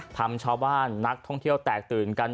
ทำชาวบ้านนักท่องเที่ยวแตกตื่นกัน